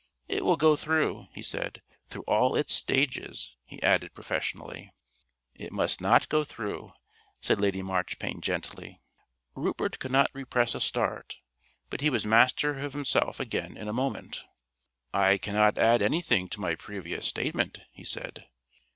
"It will go through," he said. "Through all its stages," he added professionally. "It must not go through," said Lady Marchpane gently. Rupert could not repress a start, but he was master of himself again in a moment. "I cannot add anything to my previous statement," he said.